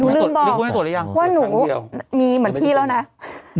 นุ้ยลืมบอกว่าหนูมีเหมือนพี่แล้วนะครั้งเดียว